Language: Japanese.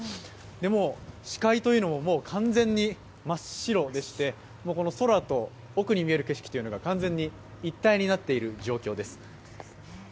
もう視界というのも完全に真っ白でして、空と奥に見える景色が完全に一体になっている状況です。